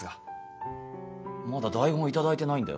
まだ台本を頂いてないんだよ。